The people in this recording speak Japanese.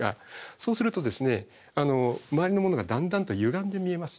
そうすると周りのものがだんだんとゆがんで見えますよと。